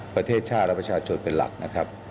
ประเทศชาติและประชาชนเป็นหลักนะครับ